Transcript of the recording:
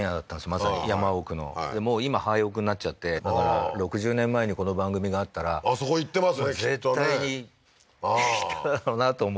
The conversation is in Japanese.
まさに山奥のもう今廃屋になっちゃってだから６０年前にこの番組があったらそこ行ってますよきっとね絶対に来ただろうなと思う